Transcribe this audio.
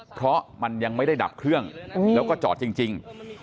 เพราะมันยังไม่ได้ดับเครื่องแล้วก็จอดจริง